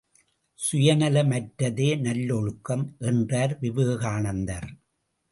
சுயநலம் அற்றதே நல்லொழுக்கம்! என்றார் விவேகானந்தர்.